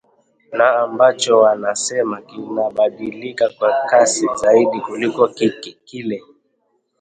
na ambacho wanasema kinabadilika kwa kasi zaidi kuliko kile